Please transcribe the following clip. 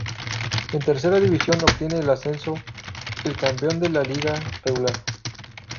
En Tercera División obtiene el ascenso el campeón de la liga regular.